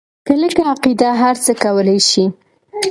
کلکه عقیده هرڅه کولی شي.